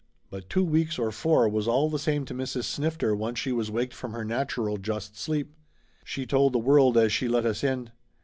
But two weeks or four was all the same to Mrs. Snifter once she was waked from her natural just sleep! She told the world as she let us in.